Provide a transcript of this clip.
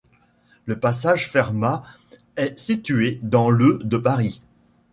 Le passage Fermat est situé dans le de Paris.